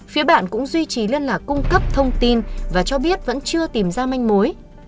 phía bạn cũng duy trì liên lạc cung cấp thông tin và cho biết vẫn chưa tìm ra manh mối